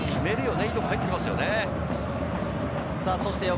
いいところに入ってきました。